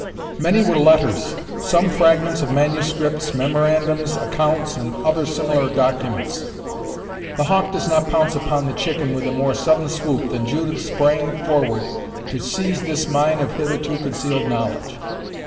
Many were letters; some fragments of manuscripts, memorandums, accounts, and other similar documents. The hawk does not pounce upon the chicken with a more sudden swoop than Judith sprang forward to seize this mine of hitherto concealed knowledge.